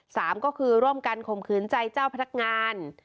สามก็คือร่วมกันข่มขืนใจเจ้าพนักงาน